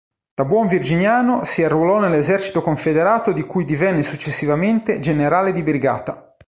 Da buon virginiano si arruolò nell'esercito confederato di cui divenne successivamente generale di brigata.